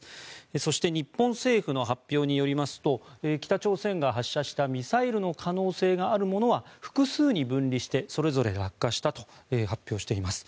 そして日本政府の発表によりますと北朝鮮が発射したミサイルの可能性があるものは複数に分離してそれぞれ落下したと発表しています。